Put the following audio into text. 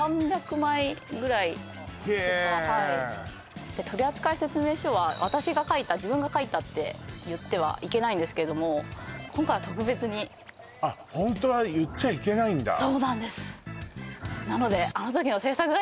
スゴいですへ取扱説明書は私がかいた自分がかいたって言ってはいけないんですけれども今回は特別にあっホントは言っちゃいけないんだそうなんです